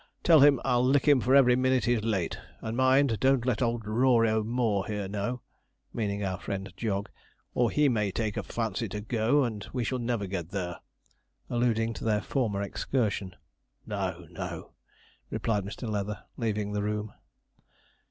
Tell him, I'll lick him for every minute he's late; and, mind, don't let old Rory O'More here know,' meaning our friend Jog, 'or he may take a fancy to go, and we shall never get there,' alluding to their former excursion. 'No, no,' replied Mr. Leather, leaving the room.